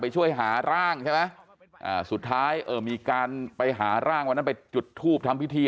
ใช่ไหมสุดท้ายเอ่อมีการไปหาร่างวันนั้นไปจุดทูบทำพิธี